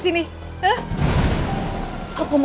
sinta tuh beragooo